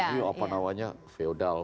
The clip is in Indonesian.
ini apa namanya feodal